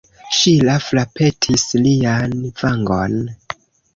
Ŝila frapetis lian vangon.